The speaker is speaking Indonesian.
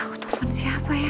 aku telfon siapa ya